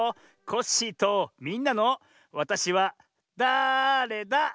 コッシーとみんなの「わたしはだれだ？」。